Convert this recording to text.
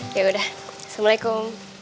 ya udah assalamualaikum